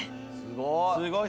すごい。